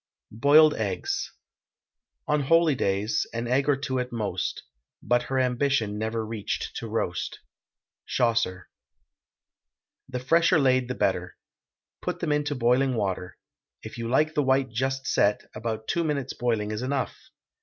BOILED EGGS. On holydays, an egg or two at most; But her ambition never reached to roast. CHAUCER. The fresher laid the better. Put them into boiling water; if you like the white just set, about two minutes' boiling is enough.